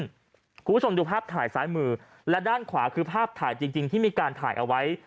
คุณผู้ชมดูภาพถ่ายซ้ายมือและด้านขวาคือภาพถ่ายจริงที่มีการถ่ายเอาไว้